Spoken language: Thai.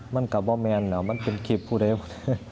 มันก็ไม่มีไงมันเป็นกิฟต์พูดใหญ่อยู่